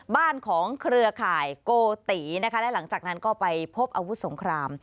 บ้านของเครือข่ายโกตินะคะและหลังจากนั้นก็ไปพบอาวุธสงคราม